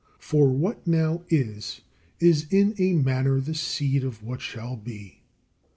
For what now is, is in a manner the seed of what shall be.